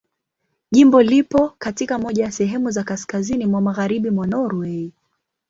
Jimbo lipo katika moja ya sehemu za kaskazini mwa Magharibi mwa Norwei.